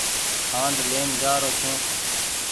کآنڊ لين جآرو ڇون۔